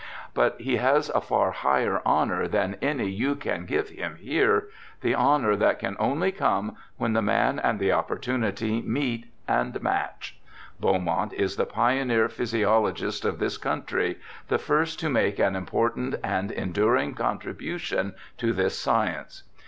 But he has a far higher honour than any you can give A BACKWOOD PHYSIOLOGIST 185 him here — the honour that can only come when the man and the opportunity meet— and match. Beaumont is the pioneer ph3'siologist of this country, the first to make an important and enduring contribution to this science.